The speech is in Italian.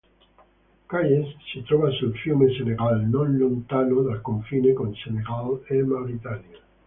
Kayes si trova sul fiume Senegal non lontano dal confine con Senegal e Mauritania.